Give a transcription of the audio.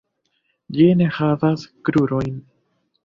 Ĝi ne havas krurojn.